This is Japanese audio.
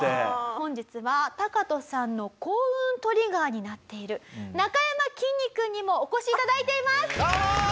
本日はタカトさんの幸運トリガーになっているなかやまきんに君にもお越し頂いています！